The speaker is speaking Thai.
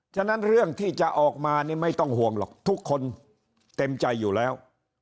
ฉะนั้นเรื่องที่จะออกมานี่ไม่ต้องห่วงหรอกทุกคนเต็มใจอยู่แล้ว